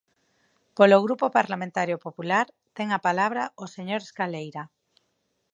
Polo Grupo Parlamentario Popular, ten a palabra o señor Escaleira.